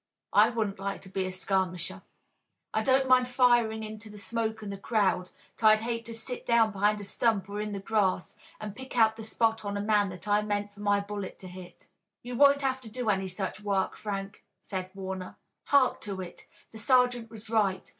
"I wouldn't like to be a skirmisher. I don't mind firing into the smoke and the crowd, but I'd hate to sit down behind a stump or in the grass and pick out the spot on a man that I meant for my bullet to hit." "You won't have to do any such work, Frank," said Warner. "Hark to it! The sergeant was right.